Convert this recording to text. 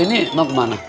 ini mau kemana